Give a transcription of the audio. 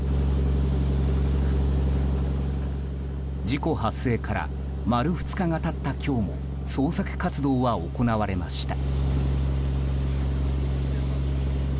事故発生から丸２日が経った今日も捜索活動は行われました。